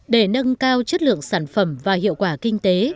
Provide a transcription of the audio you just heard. để nâng cao chất lượng sản phẩm và hiệu quả kinh tế